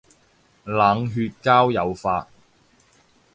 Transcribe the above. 冷血交友法